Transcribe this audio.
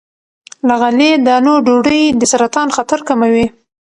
له غلې- دانو ډوډۍ د سرطان خطر کموي.